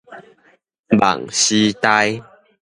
夢時代